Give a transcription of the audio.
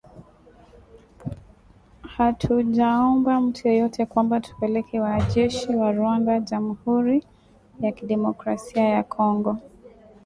Hatujaomba mtu yeyote kwamba tupeleke wanajeshi wa Rwanda jamhuri ya kidemokrasia ya Kongo